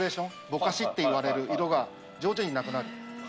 ぼかしっていわれる色が徐々になくなる。